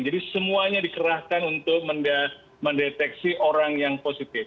jadi semuanya dikerahkan untuk mendeteksi orang yang positif